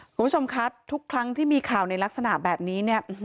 คุณผู้ชมคะทุกครั้งที่มีข่าวในลักษณะแบบนี้เนี่ย